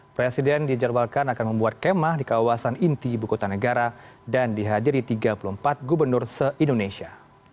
presiden dijadwalkan akan membuat kemah di kawasan inti ibu kota negara dan dihadiri tiga puluh empat gubernur se indonesia